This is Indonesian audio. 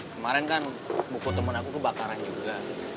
kemarin kan buku temen aku tuh bakaran juga